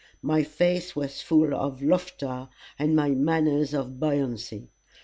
My face was full of laughter and my manners of buoyancy.